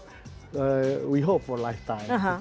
kita berharap untuk lifetime